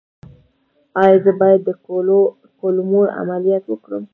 ایا زه باید د کولمو عملیات وکړم؟